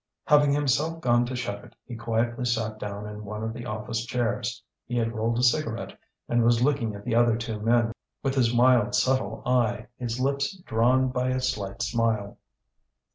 Having himself gone to shut it, he quietly sat down in one of the office chairs. He had rolled a cigarette, and was looking at the other two men with his mild subtle eye, his lips drawn by a slight smile.